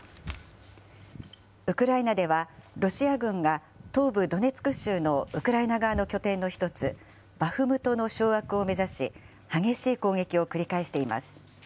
ウクライナでは、ロシア軍が東部ドネツク州のウクライナ側の拠点の１つ、バフムトの掌握を目指し、激しい攻撃を繰り返しています。